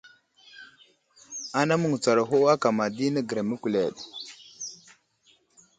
Ana məŋgutsaraho akama di nəgar məkuleɗ.